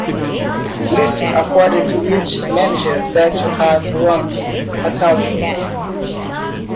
List according to each manager that has won a title.